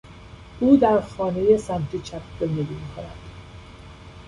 او در خانهی سمت چپ زندگی میکند.